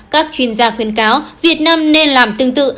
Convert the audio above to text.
các chuyên gia khuyên cáo việt nam nên làm tương tự